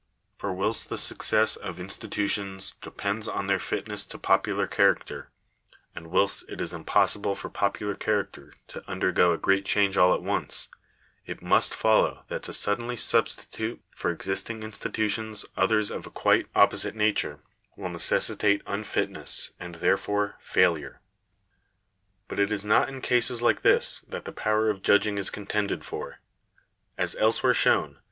For whilst the success of institutions depends on their fitness to popular character, and whilst it is impossible for popular character to undergo a great change all at once, it must follow that to suddenly substitute for existing institutions others of a quite opposite nature, will necessitate unfitness, and, therefore, failure. But it is not in cases like this that the power of judging is contended for. As elsewhere shown